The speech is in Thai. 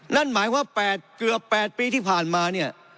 นั่นหมายว่าเกือบ๘ปีที่ผ่านมาเนี่ย